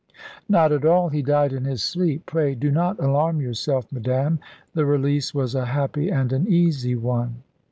"Not at all; he died in his sleep. Pray do not alarm yourself, madame; the release was a happy and an easy one."